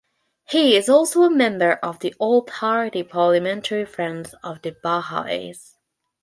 He is also a member of the All Party Parliamentary Friends of the Baha'is.